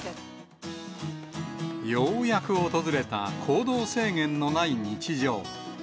ようやく訪れた行動制限のない日常。